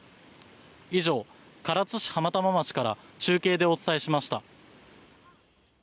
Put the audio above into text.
以上、唐津市浜玉町から中継でお伝えしました。